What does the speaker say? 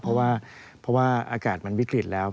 เพราะว่าอากาศมันวิกฤตแล้ว